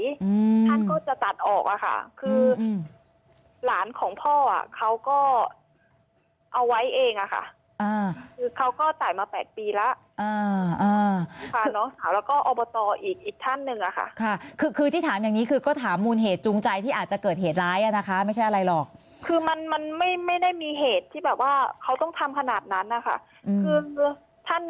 อืมท่านก็จะตัดออกอ่ะค่ะคือหลานของพ่ออ่ะเขาก็เอาไว้เองอ่ะค่ะอ่าคือเขาก็จ่ายมาแปดปีแล้วอ่าอ่าพาน้องสาวแล้วก็อบตอีกอีกท่านหนึ่งอะค่ะค่ะคือคือที่ถามอย่างงี้คือก็ถามมูลเหตุจูงใจที่อาจจะเกิดเหตุร้ายอ่ะนะคะไม่ใช่อะไรหรอกคือมันมันไม่ไม่ได้มีเหตุที่แบบว่าเขาต้องทำขนาดนั้นนะคะคือท่าน